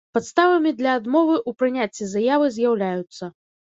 Падставамi для адмовы ў прыняццi заявы з’яўляюцца.